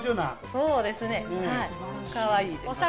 そうですね、かわいいです。